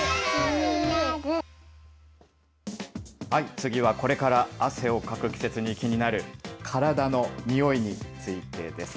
次はこれから汗をかく季節に気になる、体のにおいについてです。